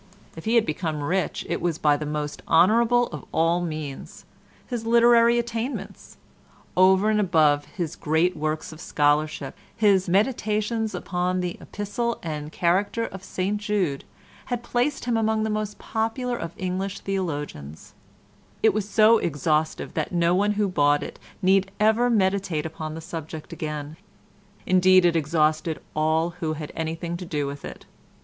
If he had become rich it was by the most honourable of all means—his literary attainments; over and above his great works of scholarship, his "Meditations upon the Epistle and Character of St Jude" had placed him among the most popular of English theologians; it was so exhaustive that no one who bought it need ever meditate upon the subject again—indeed it exhausted all who had anything to do with it.